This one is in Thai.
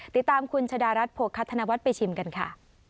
ติดตามคุณชะดารัฐโภคธนวัฒน์ไปชิมกันค่ะ